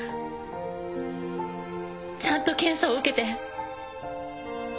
ちゃんと検査を受けて。